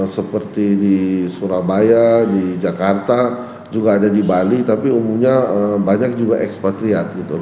seperti di surabaya di jakarta juga ada di bali tapi umumnya banyak juga ekspatriat gitu